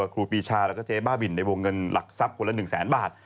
ครูปีชาแล้วก็เจ๊บ้าบินในวงเงินหลักทรัพย์คนละ๑แสนบาท